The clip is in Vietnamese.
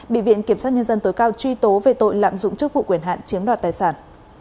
bị viện kiểm sát nhân dân tối cao truy tố về tội lạm dụng chức vụ quyền hạn chiếm đoạt tài sản